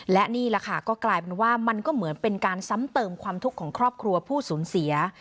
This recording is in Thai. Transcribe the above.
และนี่แหละค่ะก็กลายเป็นว่ามันก็เหมือนเป็นการซ้ำเติมความทุกข์ของครอบครัวผู้สูญเสีย